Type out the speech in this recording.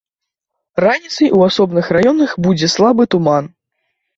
Раніцай у асобных раёнах будзе слабы туман.